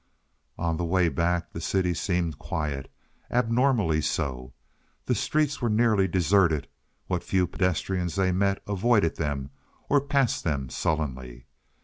On the way back the city seemed quiet abnormally so. The streets were nearly deserted; what few pedestrians they met avoided them, or passed them sullenly.